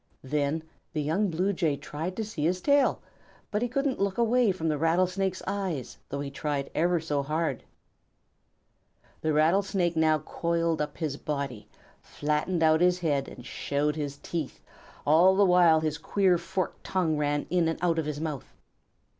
Then the young Blue Jay tried to see his tail, but he couldn't look away from the Rattlesnake's eyes, though he tried ever so hard. The Rattlesnake now coiled up his body, flattened out his head, and showed his teeth, while all the time his queer forked tongue ran in and out of his mouth.